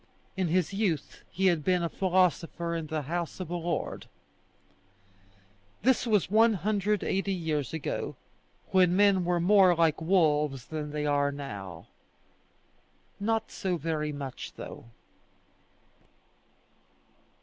In his youth he had been a philosopher in the house of a lord. This was 180 years ago, when men were more like wolves than they are now. Not so very much though.